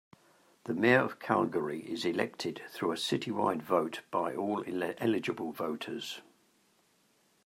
The mayor of Calgary is elected through a citywide vote by all eligible voters.